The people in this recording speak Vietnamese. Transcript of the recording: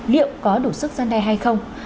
liệu có đủ sức ra đây hay không